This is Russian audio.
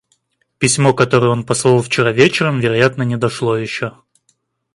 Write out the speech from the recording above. Письмо, которое он послал вчера вечером, вероятно, не дошло еще.